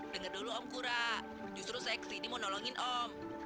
dengar dulu om kura justru saya kesini mau nolongin om